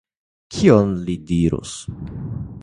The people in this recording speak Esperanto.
Kion li do dirus?